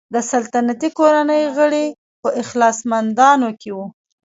د سلطنتي کورنۍ غړي په اخلاصمندانو کې وو.